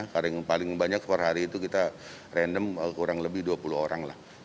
karena yang paling banyak per hari itu kita random kurang lebih dua puluh orang lah